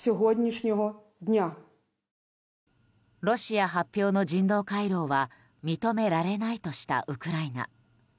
ロシア発表の人道回廊は認められないとしたウクライナ。